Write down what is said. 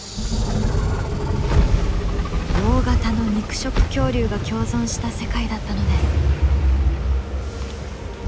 大型の肉食恐竜が共存した世界だったのです。